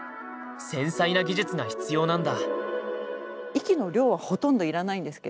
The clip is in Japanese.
繊細な技術が必要なんだ。